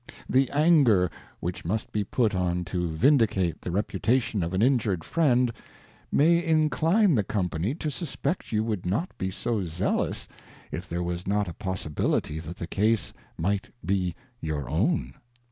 The Anger which must be put on to vindicate the Reputation of an injured Friend, may incline the Company to suspect you would not be so zealous, if there was not a possibility that the Case might be your own.